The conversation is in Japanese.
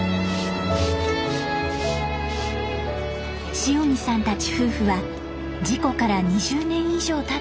塩見さんたち夫婦は事故から２０年以上たった